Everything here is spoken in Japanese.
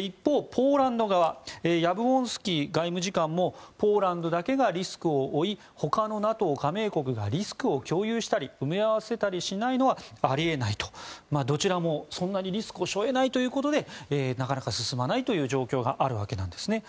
一方、ポーランド側ヤブウォンスキ外務次官もポーランドだけがリスクを負い他のＮＡＴＯ加盟国がリスクを共有したり埋め合わせたりしないのはあり得ないとどちらもそんなにリスクを背負えないということでなかなか進まない状況があるわけなんですね。